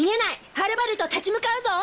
はるばると立ち向かうぞ！